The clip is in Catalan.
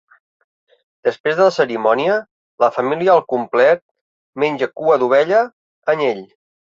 Després de la cerimònia, la família al complet menja cua d'ovella, anyell.